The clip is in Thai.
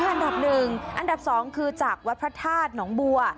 อันดับหนึ่งอันดับ๒คือจากวัดพระธาตุหนองบัว